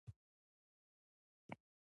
زه په پای کې یوې مهمې پرېکړې ته ورسېدم